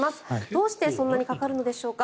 どうしてそんなにかかるのでしょうか。